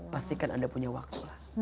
pastikan anda punya waktu